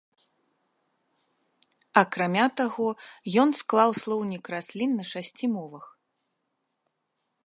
Акрамя таго, ён склаў слоўнік раслін на шасці мовах.